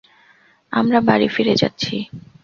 আমরা বাড়ি ফিরে যাচ্ছি।